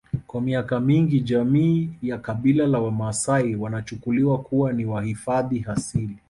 Kwa miaka mingi jamii ya kabila la wamaasai wanachukuliwa kuwa ni wahifadhi asili